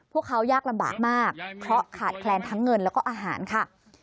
พวกเขายากลำบากมากเพราะขาดแคลนทั้งเงินแล้วก็อาหารค่ะ